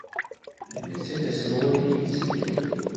D netta i d aselway i d-iteddun.